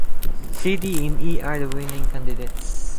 C, D and E are the winning candidates.